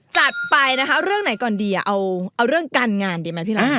จัดไปนะคะเรื่องไหนก่อนดีเอาเรื่องการงานดีไหมพี่รัก